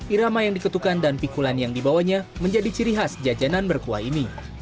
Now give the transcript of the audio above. irama yang diketukan dan pikulan yang dibawanya menjadi ciri khas jajanan berkuah ini